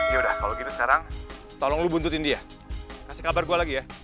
yaudah kalau gitu sekarang tolong lu buntutin dia kasih kabar gue lagi ya